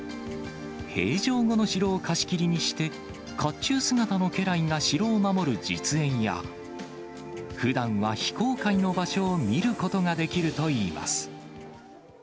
閉城後の城を貸し切りにして、かっちゅう姿の家来が城を守る実演や、ふだんは非公開の場所を見ることができるといいます。